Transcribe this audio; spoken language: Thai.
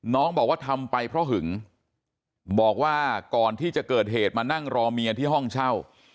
น้องบอกว่าทำไปเพราะหึงบอกว่าก่อนที่จะเกิดเหตุมานั่งรอเมียที่ห้องเช่า